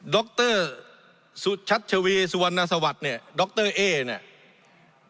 ดรสุชัชวีสุวรรณสวัสดิ์เนี่ยดรเอ๊เนี่ย